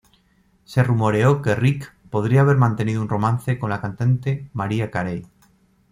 Se rumoreó que Rick podría haber mantenido un romance con la cantante Mariah Carey.